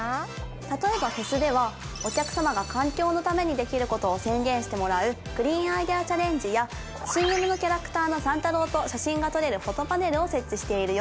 例えばフェスではお客様が環境のためにできることを宣言してもらうクリーンアイデアチャレンジやＣＭのキャラクターの三太郎と写真が撮れるフォトパネルを設置しているよ